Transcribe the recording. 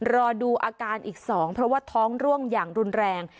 รอดูอาการอีก๒เพราะว่าท้องร่วงอย่างรุนแรง